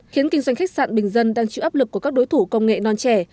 khiến kinh doanh khách sạn bình dân đang chịu áp lực của các đối thủ công nghệ non trẻ